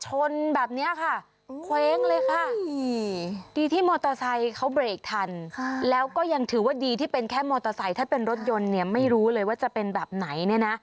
ชนแบบนี้ค่ะเคว้งเลยค่ะดีที่มอเตอร์ไซค์เขาเบรกทันแล้วก็ยังถือว่าดีที่เป็นแค่มอเตอร์ไซค์ถ้าเป็นรถยนต์เนี่ยไม่รู้เลยว่าจะเป็นแบบไหนเนี่ยนะ